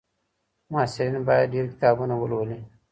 محصلین باید ډېر کتابونه ولولي.